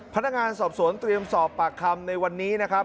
พนักงานสอบสวนเตรียมสอบปากคำในวันนี้นะครับ